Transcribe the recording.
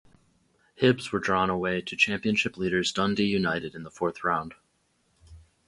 Hibs were drawn away to Championship leaders Dundee United in the fourth round.